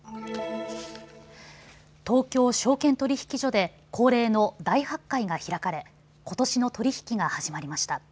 東京証券取引所で恒例の大発会が開かれ、ことしの取り引きが始まりました。